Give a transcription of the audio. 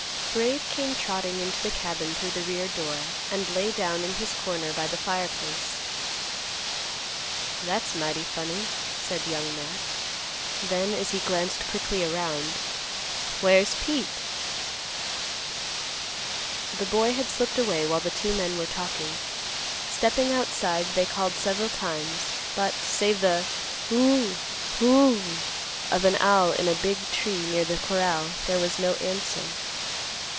Brave came trotting into the cabin through the rear door, and lay down in his corner by the fireplace. "That's mighty funny," said Young Matt. Then, as he glanced quickly around, "Where's Pete?" The boy had slipped away while the two men were talking. Stepping outside they called several times; but, save the "Wh w h o—w h o o o" of an owl in a big tree near the corral, there was no answer.